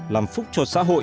làm phúc cho xã hội